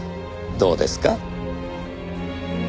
どうですか？